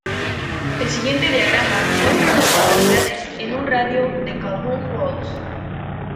El siguiente diagrama muestra a las localidades en un radio de de Calhoun Falls.